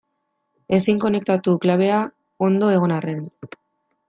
Ezin konektatu, klabea ondo egon arren.